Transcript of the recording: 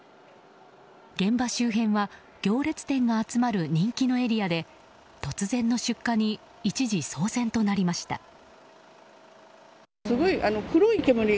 現場周辺は行列店が集まる人気のエリアで突然の出火に一時、騒然となりました。